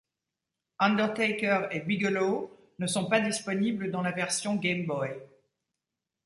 Undertaker et Bigelow ne sont pas disponibles dans la version Game Boy.